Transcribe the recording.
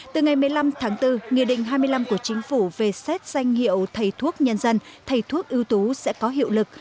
từ ngày một mươi năm tháng bốn nghị định hai mươi năm của chính phủ về xét danh hiệu thầy thuốc nhân dân thầy thuốc ưu tú sẽ có hiệu lực